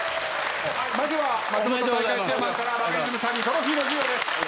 まずは松本大会チェアマンからバカリズムさんにトロフィーの授与です。